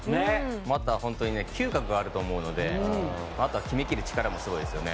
あとは本当に嗅覚があると思うのであとは決め切る力もすごいですよね。